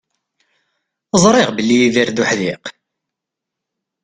Ẓriɣ belli Yidir d uḥdiq.